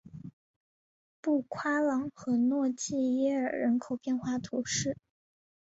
布夸朗和诺济耶尔人口变化图示